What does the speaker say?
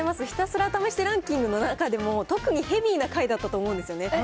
ひたすら試してランキングの中でも、特にヘビーな回だったと思うんですよね。